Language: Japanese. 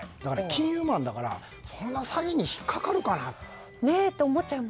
金融マンだからそんな詐欺に引っかかるかなと。